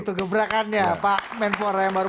itu keberakannya pak menfuara yang baru